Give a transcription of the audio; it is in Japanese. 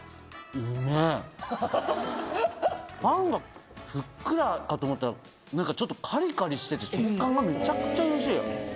パンがふっくらかと思ったらちょっとカリカリしてて食感がめちゃくちゃおいしい。